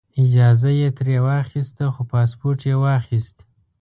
اجازه یې ترې واخیسته خو پاسپورټ یې واخیست.